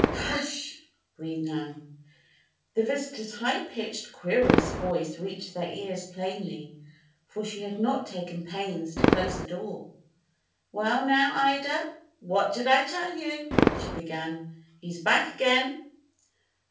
"Hush!" breathed Nan. The visitor's high pitched, querulous voice reached their ears plainly, for she had not taken pains to close the door. "Well, now, Ida, what did I tell you?" she began. "He's back again."